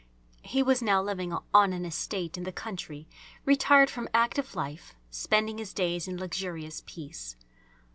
He was now living on an estate in the country, retired from active life, spending his days in luxurious peace.